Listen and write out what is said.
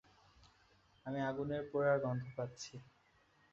আমি আগুনের পোড়ার গন্ধ পাচ্ছি!